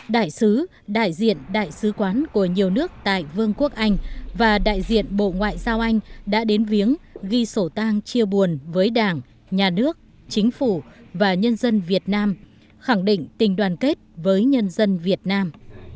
đại sứ đại diện đại sứ quán của nhiều nước tại vương quốc anh và đại diện bộ ngoại giao anh đã đến viếng ghi sổ tang chia buồn với đảng nhà nước chính phủ và nhân dân việt nam khẳng định tình đoàn kết với nhân dân việt nam